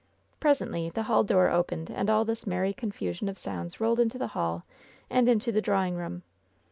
Presently the hall door opened and all this merry con fusion of sounds rolled into the hall and into the draw ing room.